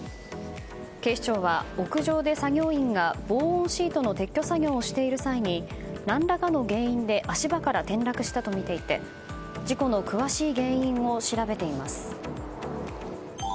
警視庁は屋上で作業員が防音シートの撤去作業をしている際に何らかの原因で足場から転落したとみていて事故の詳しい原因を調べています。